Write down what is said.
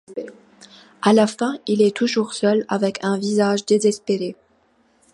À la fin il est toujours seul avec un visage désespéré.